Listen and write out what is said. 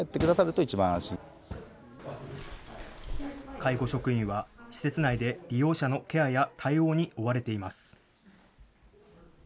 介護職員は施設内で利用者のケアや対応に追われています。